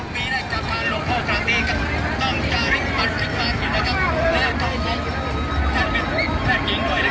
มาแล้วครับพี่น้อง